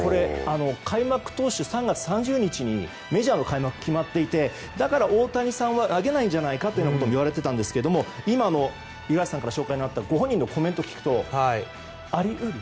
開幕投手、３月３０日にメジャーの開幕が決まっていてだから大谷さんは投げないんじゃないかといわれていたんですが今、五十嵐さんから紹介があったご本人のコメントを聞くとあり得る？